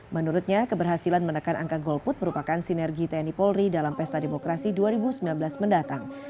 menurutnya keberhasilan menekan angka golput merupakan sinergi tni polri dalam pesta demokrasi dua ribu sembilan belas mendatang